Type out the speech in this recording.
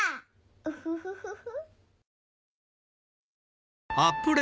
ウフフフフ。